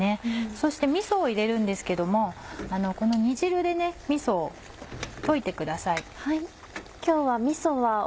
そしてみそを入れるんですけどもこの煮汁でみそを溶いてください。